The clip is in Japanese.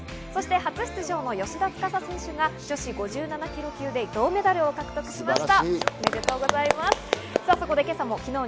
初出場の芳田司選手が女子５７ｋｇ級で銅メダルを獲得しました。